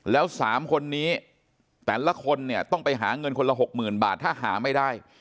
แล้ว๓คนนี้แต่ละคนเนี่ยต้องไปหาเงินคนละ๖๐๐๐บาทถ้าหาไม่ได้